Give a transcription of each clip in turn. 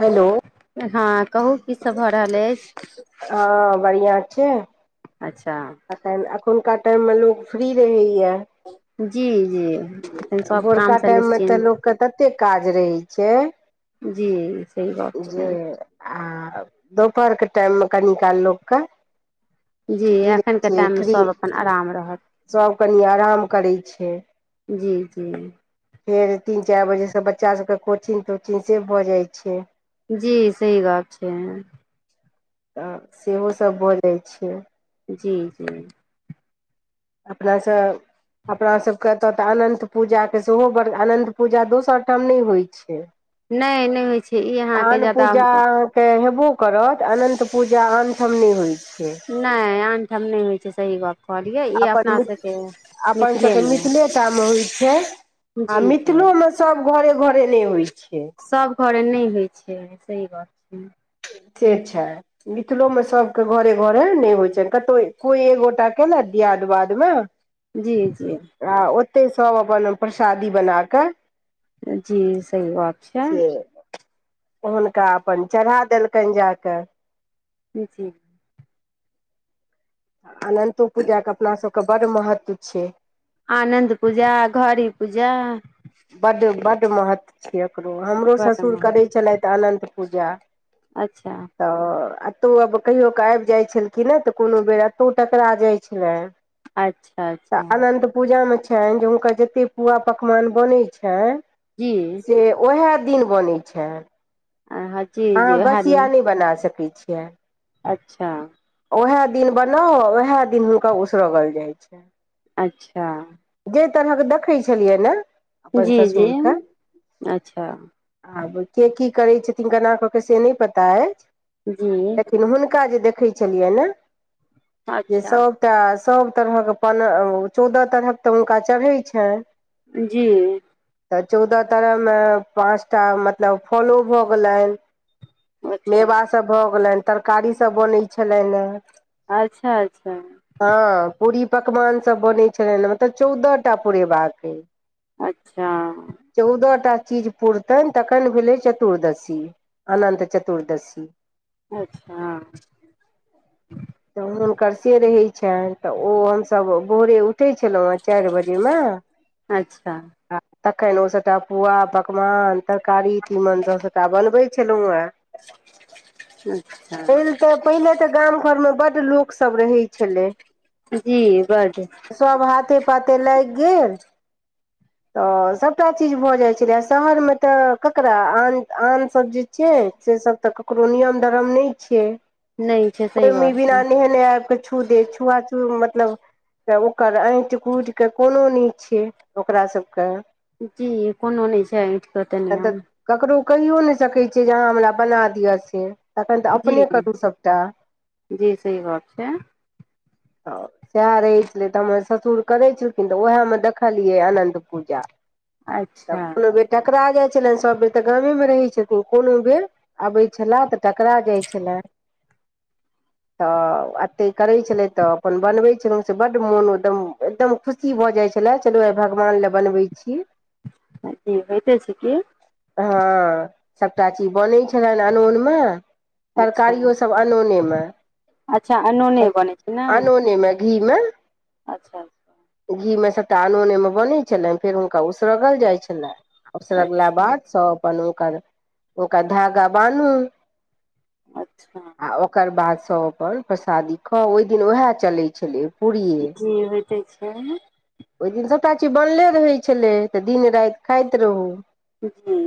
Hello हँ कहू की सभ भऽ रहल अछि? हँ बढ़िआँ छैय। अच्छा एखुनका टाइममे लोक फ्री रहैए। जी जी एखन सब भोरका कामसँ टाइममे तऽ निश्चिन्त लोकके ततेक काज रहैत छैय। जी सही बात छैय। आ दोपहरके टाइममे कनि काल लोक कऽ जी एखनके टाइममे फ्री सभ अपन आराम रहत सब कनि आराम करय छैय जी जी फेर तीन चारि बजेसँ बच्चासभके कोचिंग तोचिंग से भऽ जाइ छैय जी सही बात छैै तऽ सेहो सब भऽ जाइ छैय जी जी अपना सभ अपना सभके एतय तऽ अनन्त पूजाके सेहो बड़ अनन्त पूजा दोसर ठाम नहि होइत छैय नहि नहि होइ छै ई अहाँके आन ज्यादा पूजा के हेबो करत अनन्त पूजा आनठम नै होइ छैय नहि आनठाम नहि होइ छै सही बात अपन मि अपन सभके मिथिलेमे मिथिलेटामे होइ छै जी आ जी मिथिलोमे सभ घरे घरे नहि होइत छै सभ घरे नहि होइ छै सही बात छै से छा मिथिलो मे सबके घरे घरे नहि होइ छ कतहु कोई एगोटा केना दिय यादवादमे जी जी ते सब अपन प्रसादी बना कऽ जी सही बात छै से हुनका अपन चढ़ा देलकनि जा कऽ जी अनन्तो पूजाके अपनासभके बड्ड महत्व छै आनन्द पूजा घड़ी पूजा बड्ड बड्ड महत्व छैय एको हमरो बड़ ससुर महग करै छलथि अनन्त पूजा अच्छा तऽ एतहु आब कहियो क आबि जाइ छलखिन तऽ कोनो बेर टकरा जाय छल अच्छा त अच्छा अनन्त पूजा मे हुनकर जे पुआ पकवान बने जी छै दिन बनै छै हँ जी जी अहाँ उएह बस इएह दिन नहि बना सकैत छियै अच्छा ओएह दिन बनाउ ओएह दिन हुनका उसरगल जाइ छ अच्छह तरह के देखै छलियै ने अपन जी जी ससुर के अच्छा आब के की करै छथिन केना कऽ के से नहि पता अछि जी लेकिन हुनका जे देखै छलिय ने जे अच्छा सबटा सभ तरहक चौदह तरहक तऽ हुनका चढ़ैत छनि जी तऽ चौदह तरह मे पाँच टा मतलब फॉलो भऽ गेलनि अच्छा मेवा सभ भऽ गेलनि तरकारीसभ बनैत छलनि अच्छा अच्छा हँ पूरी पकवान सब बनैत छलनि मतलब चौदह टा पुरेबाक अइ अच्छा चौदह टा चीज पुरतनि तखन भेलै चतुर्दशी अनन्त चतुर्दशी अच्छा तऽ हुनकर से रहैत छनि तऽ ओ हमसभ भोर उठे छलहुँ हँ चारि बजेमे अच्छा तखन ओ सबटा पुआ पकवान तरकारी तीमन सब सबटा बनवे छलौ हे अच्छा एहिल तऽ पहिले तऽ गाम घर मे बड लोक सब रहै छले जी बड्ड सब हाथे पाते लाइग गेल तऽ सभटा चीज भऽ जाइत छलै शहरमे तऽ ककरा आन आन सब जे छै से सब तऽ ककरो नियम धरम नइ छै नइ छै सही ओहिमे बात छै बिना नहेने आबिक छू दे छू आ मतलब तऽ ओकर ऐट कूट कऽ कोनो नइ छै ओकरा सबके जी कोनो नहि ऐठ कऽ तऽ नियम कहियो नहि सकैत छ जे अहाँ हमरा बना दिअ से तखन तऽ जी अपने करू सभटा जी सही बात छै [inaudible] ह सएह रहै छलै तऽ हमर ससुर करै छलखिन तऽ उएहमे देखलियै अनन्त पुजा तब अच्छा कोनो बे ठकरा जाइत छलनि सभ बेर तऽ गामे मे रहै छथिन कोनो बेर अबै छले तऽ टकरा जाइ छले [inaudible] तऽ एतहि करै छलै तऽ अपन बनबै छलहुँ से बड्ड मोन एकदम एकदम खुशी की भऽ जाइ छले चलू आ भगवान लए बनबै छी जी होयइते छै की हँ सभटा चीज बनै छलनि अनोन मे अच्छा तरकारियो सब अनोने म अच्छा अनुने बनै छै नइ घी मे अच्छा अच्छा घीमे सभटा अनुनेमे बनै छलनि फेर हुनका उसरगल जाइ छलइ उसरगला अच्छा बाद सभ अपन हुनकर हुनका धागा बान्हू अच्छा आ ओकर बादसँ अपन प्रसादी खाउ ओहि दिन उएह चलै छलै पूड़िये जी होइते छै ओहि दिन सभटा चीज बनले रहै छलै तऽ दिन राति खाइत रहू जी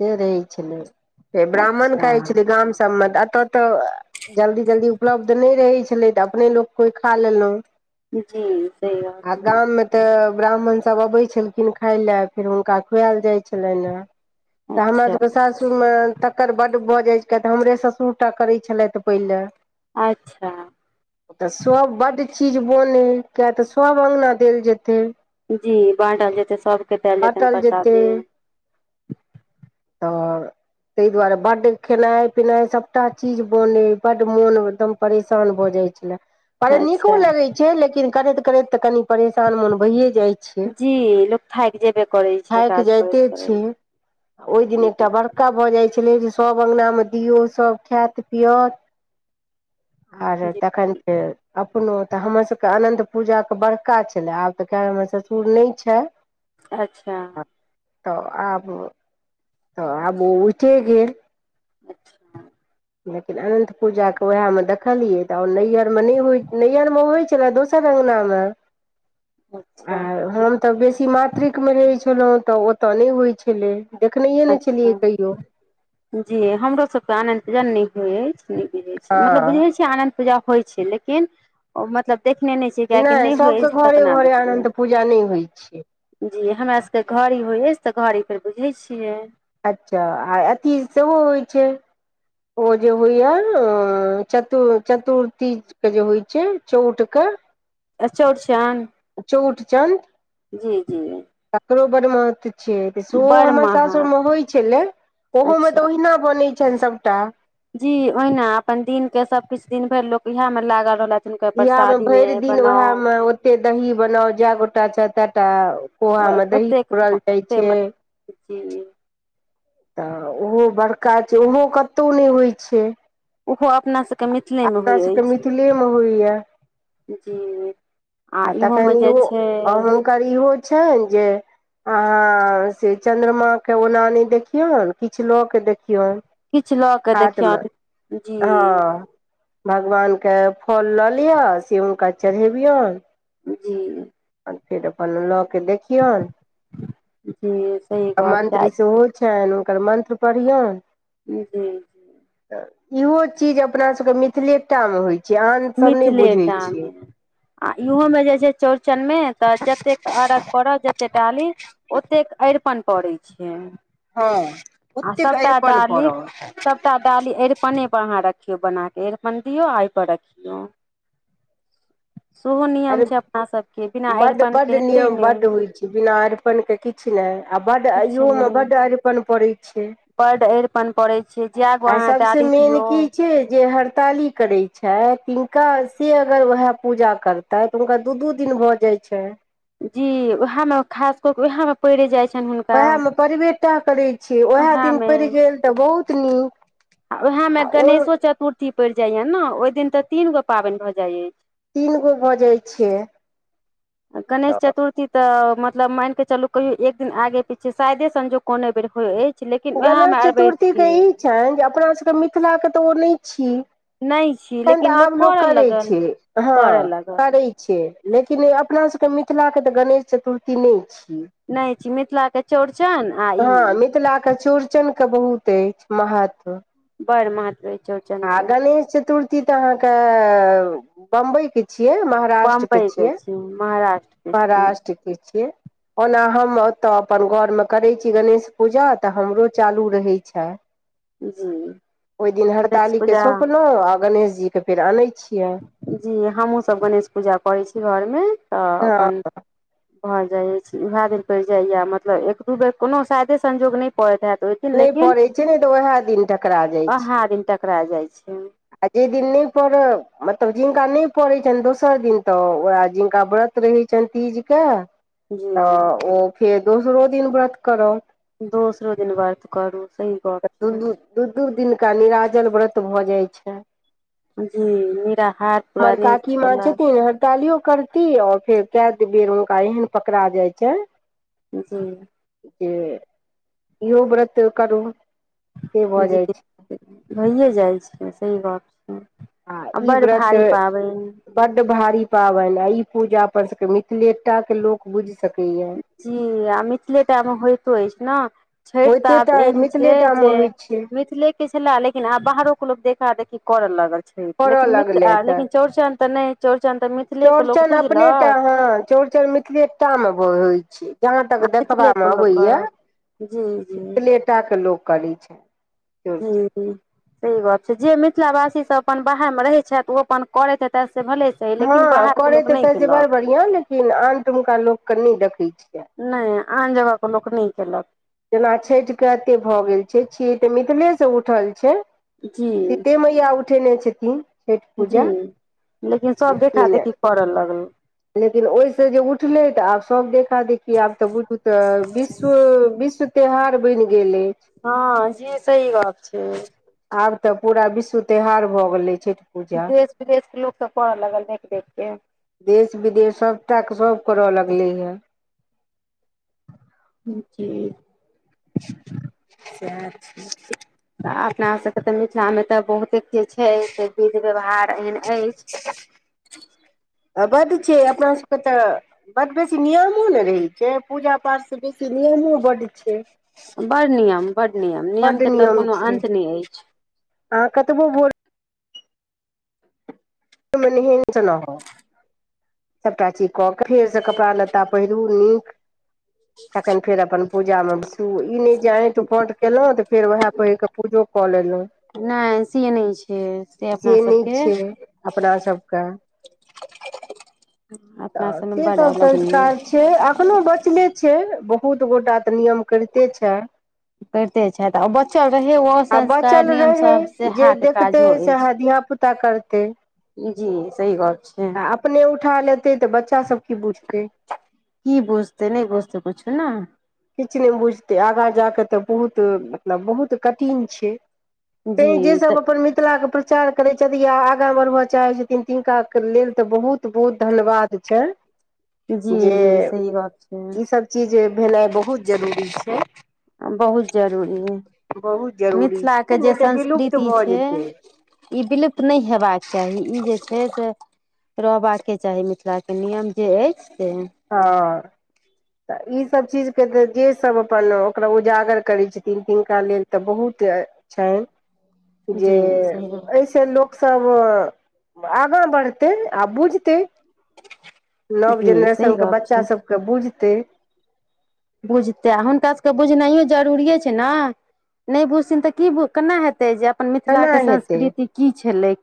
से रहै छलै सेे ब्राह्मण अच्छा खाइ छलै गाम सभमे तऽ एतय तऽ जल्दी जल्दी उपलब्ध नइ रहै छलै तऽ अपने लोक कोइ खा लेलहुँ जी सही आ बात गाममे तऽ ब्राह्मणसभ अबै छलखिन खाय लय फेर हुनका खुआयल जाइत छलनि हेँ। तऽ हमरा अच्छा सब के सासुरमे तकर बड्ड भऽ जाइत छल तऽ हमरे ससुर टा करै छलथि पहिले। अच्छा ओ तऽ सब ब्ड चीज बने किया तऽ स अंगना देल जेतै जी बाँटल जेतै सभके देल जेतन बाँटल जेतै प्रसादि तऽ तेहि दुआरे बड्ड खेनाइ पिनाइ सभटा चीज बनै बड्ड मोन दम परेशान भऽ जाइत छलए पर नीको अच्छा लगै छै लेकिन करैत करैत तऽ कनि परेशान मन भैइए जाइ छिय जी लोक थाकि जेबे करै छै काज थाइक करैत जाइते छै करैत ओहि दिन एकटा जी बड़का भऽ जाइ होइ छलै जे सभ अंगनामे दियौ सभ खायत पीअत आर जी तखन फेर अपनो तऽ हमरसभके अनन्त पूजाके बड़का छलय आब तऽ क हमर ससुर नइ छै अच्छा तऽ आब तऽ आब ओ उठे गेल अच्छह लेकिन अनन्त पूजाके उएहमे देखलियै तऽ नैहर मे नहि होयत नैहरमे होइत छल दोसर अंगना अंगना म अच्छा आ हम तऽ बेसी मातृिक मे रहै छलहुँ तऽ ओतय नहि होइ छलै। देखनैए नहि अच्छा छलियै कहियो। जी हमरो सब के आनद पूजा नय होय अइछ नइ बुझे छि हँ मतलब बुझे छीे आनंद पूजा होय छैय। लेकिन ओ मतलब देखने नहि छी किया की नहि होइ [unintelligible] सबके तऽ घरे केना घरे देखबै? अनन्त पूजा नहि होइ छै जी हमरा सबके घड़ी होइ अय तऽ घड़ी फेर बुझे छियै। अच्छा आ अथी सेहो होइ छैय। ओ जे होइया चतु चतुर्थीके जे होइ छैय चौठक अ चौर्चन? चउठचंद जी जी ओकरो बड़ महत्व छैय सोहो बड़ हमर सासुर महग मे होइ छले ओहो में अच्छा ते ओहिना बने चन सबटा जी ओहिना अपन दिन के सबकिछ दिन भइर लोक इएहा मे लागल रहलथ इएहमे भरि दिन उएहमे ओतेक दही बनाउ जए गोटा छैय तए टा पोहा मे दही ओतेक पूरल जाइ ओते छैय। जी तऽ ओहो बड़का छैय ओहो कतहु नहि होइ छैय। ओहो अपना सबके मिथिलेमे होइ मिथिले मे होइया अछि जी आ तखन मे जे इहो छै हुनकर इहो छन जे अहां से चंन्द्रमा के ओनाने देखियौन किछ लके देख कओ किछु लऽ के हातमे देखियौन जी हाँ भगवानके फल लऽ लिअ से हुनका चढ़ेबियोन। जी फेर अपन लऽ के देखियऔन जी सही आ गप छै मंत्री सेहो छनि हुनकर मन्त्र पढ़िऔन जी जी इहो चीज अपना सबके मिथिलेटा मे होइ छै आन सब नहि बुझै छियै मिथिलेटामे आ इहोमे जे छैय चौरचनमे तऽ जतेक अरघ्य पड़ऽ जते डाली ओतेक अरिपन पड़ै छैय। हँ आ ओतेक सबटा अरिपन डालीक पड़ल सबटा डाली अरिपने पर अहाँ रखी रियौ बना के अरिपन दियौ आ आयपर रखियौ। सेहो नियम छै अपना सभके बिना बड्ड अरिपन के बड्ड हेतै नियम नहि बड्ड होइ छैय बिना अरिपणके किछ नहि। आ बड्ड अयोमे बड्ड अरिपन पड़ै छै बड अरिपन पड़ै छै जै गो आ अहाँ सबसे डाली मेन दियौ की छैय जे हर ताली करय छैय तिनका से अगर वएह पूजा करतै त हुनका दू दू दिन भऽ जाय छैय जी उएह मे खास क के उएह मे पड़े जाइ उएहमे परिवेटाः करैत छी उएह दिन उएहमे पड़ि गेल तऽ बहुत नीक। आ उएहमे गणेशो चतुर्थी पड़ि जाइए ने ओहि दिन तऽ तीन गो पावन भऽ जाइ अछि। तीन गो भऽ जाय छैय। गणेश चतुर्थी तऽ मतलब मान के चलु कहियो एक दिन आगे पीछे शायदे संजोग कोनो बेर होयत गणेश चतुर्थीके ई छैन जे अपनासबके मिथिलाके तऽ ओ नहि छी। नहि छी एखन तऽ लेकिन आब लोक करऽ करै लगल छैय हाँ करऽ लगल करै छैय। लेकिन अपना सबके मिथिला के तऽ गणेश चतुर्थी नहि छैय। नहि छी मिथिलाके चौड़चन आ हाँ ई मिथिला के चौरचन के बहुत अइछ महत्व। बड महत्व अइछ हाँ गणेश चतुर्थी तऽ अहाँके बम्बईके छी छियै महाराष्ट्र के बम्बई छियै छी महाराष्ट्र के छी महाराष्ट्र के छियै ओना हम ओतय अपन घरमे करैत छी गणेश पूजा तऽ हमरो चालू रहै छै जी ओहि दिन गणेश हड़ताली के पूजा सौंपलहु आ गणेश जी के फेर आनै छियै जी हमहूसब गणेश पूजा करै छी घरमे तऽ हँ अपन कहल जाइत अछि उएह दिन पड़ि जाइए मतलब एक दू बेर कोनो शायदे संजोग नहि पड़ैत हेयत ओन नहि लेकिन पड़ै छै नहि तऽ उएह दिन टकरा जाइ छै अहा दिन टकरा जाइ छै आ जे दिन नहि पड़ मतलब जिनका नहि पड़ैत छन दोसर दिन तऽ ओए जिनका बरत व्रत रहै छन तीज के तऽ जी ओ फेर दोसरो दिन व्रत करत दोसरो दिन व्रत करू सही गप तऽ दू दू छै दू दू दिनका निराजल व्रत भऽ जाइ छै जी निरा हार परानि केला कालियो करती और फेर कए बेर हुनका एहन पकड़ा जाइ छन जी जे इहो व्रत करू से भऽ जाइ छै होइए जाइ छै सही बात छै आ ई बड्ड व्रत भारी पाबनि बड्ड भारी पाबन आ ई पूजा अपन सबके मिथिले टा के लोक बुझ जी आ मिथिले टा में होइतो अछि ने छैठि तऽ होइते आब टा एहन छै मिथिलेटा मे जे होइ छै मिथिलेके छलए लेकिन आब बाहरो के लोक देखा देखी करय लागल ठीक करऽ लेकिन मि लगलै तऽ लेकिन चौड़चन तऽ नहि चौड़चन तऽ मिथिलेके लोक बुझलक फेर मैथिले टा में छै जहाँ तक आ मिथिले देखबा में के लोक अबैया करत जी मीथीलेटा के लोक करै छै हूं चौड़चन हूं सही बात जे मिथिला वासी सब अपन बाहरमें रहैत छथि ओ अपन करैत हेतेथ हँ करैत त तै से बड़ बढ़िआँ लेकिन आन ठुनका लोककेँ नहि देखैत छी नहि आन जगहके लोक नहि केलक जेना छठि के एते भऽ गेल छै छीयै त मिथिले से उठल छै जी सीते मैया उठेने छथिन छैठ जी पूजा लेकिन सब देखा लेकिन देखी करड़ऽ लगल लेकिन ओहिसँ जे उठलै तऽ आब सभ देख देखा देखि आब तऽ बुझू तऽ विश्व विश्व त्योहार बनि गेल ए हँ जे सही बात छै आब तऽ पूरा विश्व त्योहार भए गेले छैठ देश विदेशके लोकसभ कड़य लागल देखि देखि कऽ देश विदेश सबटा सब करऽ लगले ये जी सएह छै अपना सबके तऽ मिथिला मे तऽ बहुते जे छै से विध व्यवहार एहन अछि बस छै अपना सबके तऽ बड बेसी नियमो ने रहैत छै पूजा पाठसँ बेसी नियमो बड छै बर नियम बड़ नियम नियम बड्ड के तऽ कोनो छै अन्त नहि अछि अहाँ कतबो भोर [unintelligible] क के फेर से कपड़ा लत्ता पहिरू नीक तखन फेर अपन पूजा मे हूं ओ ई नहि जे आटि उपाँट कयलहुँ तऽ फेर वएह पहिर कऽ पूजो कऽ लेलहुँ नहि से नहि छै से नहि अपनासभके छै अपना सबके अपना तऽ सबमे से बड सब अलग नियम संस्कार छै एखनो बचले छै बहुत गोटा तऽ नियम करिते छैं करिते छथि आ बचल रहै ओ आ संस्कार बचल नियम रहै सब जे सेहा के देखते काजो सेह अछि धियापुता कर जी सही बात छै आ अपने उठा लेतै तऽ बच्चा सब की बुझतै कि बुझते नहि बुझते कुछु न किछु नहि बुझतै आगाँ जा कऽ तऽ बहुत मतलब बहुत कठिन छै जी तेँ जे तऽ सब अपन मिथिला के प्र पचार करै छथि आ आगाँ बढ़बय चाहैत छथिन तिनकाक लेल तऽ बहुत बहुत धन्यवाद छनि जी जे जी सही गप ई छै सभ चीज भेनाइ बहुत जरूरी छै बहुत जरूरी है बहुत जरूरी मिथिलाके छै जे नहि तऽ विलुप्त संस्कृति भऽ छै जेतै ई विलुप्त नहि हेबाक चाही ई जे छै से रहबाके चाही मिथिलाके नियम जे अछि से हँ तऽ ईसभ चीजके तऽ जे सब अपन ओकरा उजागर करै छथिन तिनका लेल तऽ बहुत छैन जे जी सही गप ऐसे लोक लोक सब आगाँ बढ़तै आ बुझतै नव जी सही जेनरेशनके गप बच्चा छै सभकेँ बुझतै बुझतै आ हुनका सभके बुझनायो जरूरिए छै ने नहि बुझथिन तऽ की केना हेतै जे अपन केना मिथिलाके हेतै संस्कृति की छलै